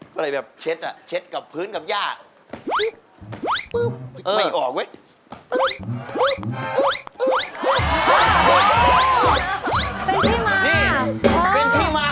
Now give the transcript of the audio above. ดูเสียงของผมดีกว่า